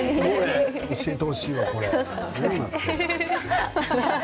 教えてほしいわ、これ。